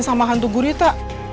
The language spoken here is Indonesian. sama hantu gurita